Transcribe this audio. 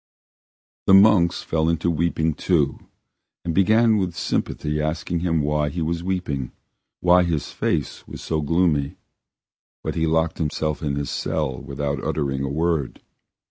The monks fell to weeping too, and began with sympathy asking him why he was weeping, why his face was so gloomy, but he locked himself in his cell without uttering a word.